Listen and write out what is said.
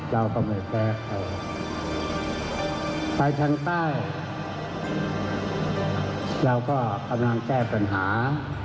เราก็ไม่แพ้ใครไปทางใต้เราก็กำลังแก้ปัญหา